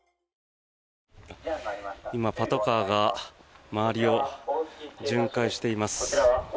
今、パトカーが周りを巡回しています。